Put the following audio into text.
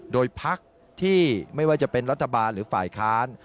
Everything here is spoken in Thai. โดยพักที่ไม่ว่าจะเป็นรัฐบาลหรือฝ่ายค้าน